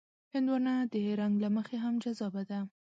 هندوانه د رنګ له مخې هم جذابه ده.